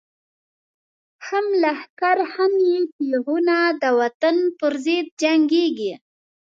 هم لښکر هم یی تیغونه، دوطن پر ضد جنګیږی